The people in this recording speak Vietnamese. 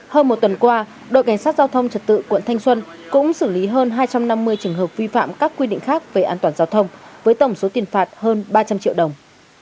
hơn một tuần qua đội cảnh sát giao thông trật tự quận thanh xuân cũng xử lý hơn hai trăm năm mươi trường hợp vi phạm các quy định khác về an toàn giao thông với tổng số tiền phạt hơn ba trăm linh triệu đồng